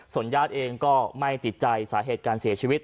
ส่วนญาติเองก็ไม่ติดใจสาเหตุการเสียชีวิต